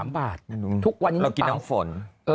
๓บาททุกวันนี้เรากินน้ำฝน